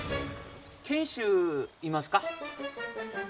賢秀いますか？